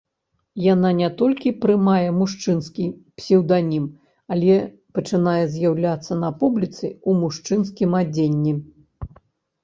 Яна не толькі прымае мужчынскі псеўданім, але пачынае з'яўляцца на публіцы ў мужчынскім адзенні.